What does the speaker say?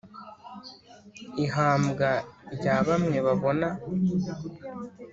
ihambwa rya bamwe babona,